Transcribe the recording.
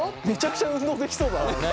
めちゃくちゃ運動できそうだな！